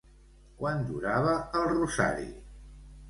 Quant durava el rosari?